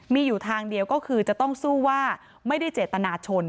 มีอยู่ทางเดียวก็คือจะต้องสู้ว่าไม่ได้เจตนาชน